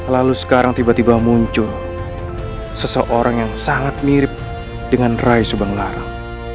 lalu sekarang tiba tiba muncul seseorang yang sangat mirip dengan rai subang larang